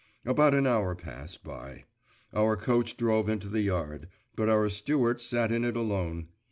About an hour passed by. Our coach drove into the yard; but our steward sat in it alone.